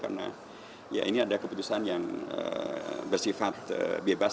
karena ini adalah keputusan yang bersifat bebas